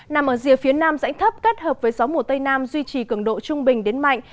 nằm ở rìa phía nam dãnh thấp kết hợp với gió mùa tây nam duy trì cường độ trung bình đến mạnh